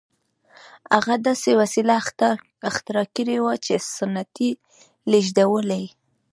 هغه داسې وسیله اختراع کړې وه چې ستنې لېږدولې